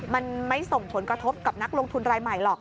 มันไม่ส่งผลกระทบกับนักลงทุนรายใหม่หรอก